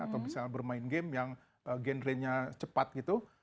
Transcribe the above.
atau misalnya bermain game yang genre nya cepat gitu